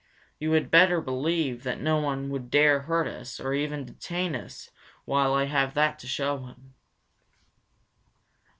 You had better believe that no one would dare hurt us, or even detain us while I have that to show them."